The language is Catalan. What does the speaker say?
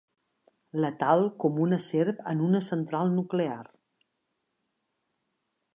Letal com una serp en una central nuclear.